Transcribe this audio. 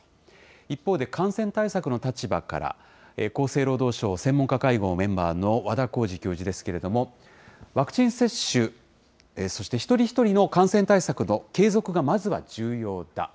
一方で感染対策の立場から、厚生労働省専門家会合メンバーの和田耕治教授ですけれども、ワクチン接種、そして一人一人の感染対策の継続がまずは重要だ。